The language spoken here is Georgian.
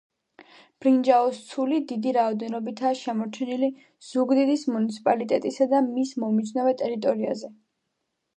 ბრინჯაოს ცული დიდი რაოდენობითაა აღმოჩენილი ზუგდიდის მუნიციპალიტეტისა და მის მომიჯნავე ტერიტორიაზე.